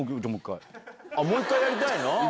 もう１回やりたいの？